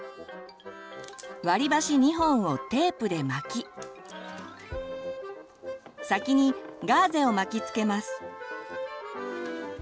割り箸２本をテープで巻き先にガーゼを巻きつけます。